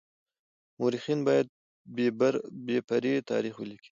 مورخين بايد بې پرې تاريخ وليکي.